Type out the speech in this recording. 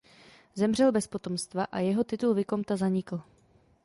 Zemřel bez potomstva a jeho titul vikomta zanikl.